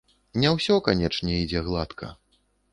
Не ўсё, канечне, ідзе гладка.